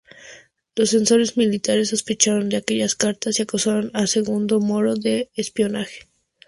Los censores militares sospecharon de aquellas cartas y acusaron a Il Moro de espionaje.